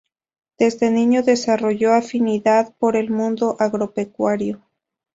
Desde niño desarrolló afinidad por el mundo agropecuario.